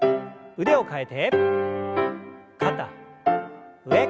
腕を替えて。